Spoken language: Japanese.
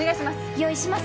用意します